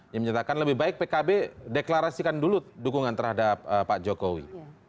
yang menyatakan lebih baik pkb deklarasikan dulu dukungan terhadap pak jokowi